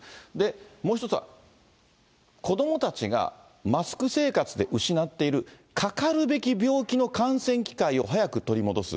もう１つは、子どもたちがマスク生活で失っている、かかるべき病気の感染機会を早く取り戻す。